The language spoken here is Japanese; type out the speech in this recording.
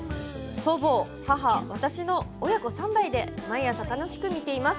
祖母、母、私の親子３代で毎朝、楽しく見ています。